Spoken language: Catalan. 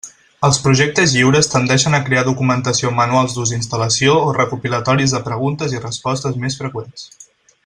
Els projectes lliures tendeixen a crear documentació amb manuals d'ús i instal·lació o recopilatoris de preguntes i respostes més freqüents.